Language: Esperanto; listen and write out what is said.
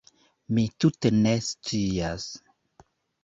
Mi tute ne scias.